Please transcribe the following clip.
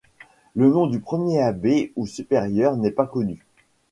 Le nom du premier abbé ou supérieur n'est pas connu.